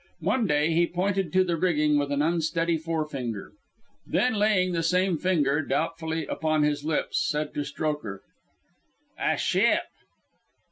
One day he pointed to the rigging with an unsteady forefinger, then, laying the same finger doubtfully upon his lips, said to Strokher: "A ship?"